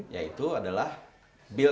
yaitu adalah build